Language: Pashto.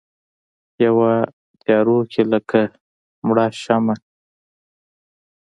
یوه تیارو کې لکه مړه شمعه